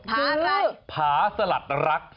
พาอะไรคือพาสลัดรัก